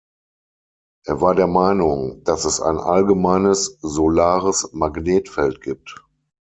Er war der Meinung, dass es ein allgemeines solares Magnetfeld gibt.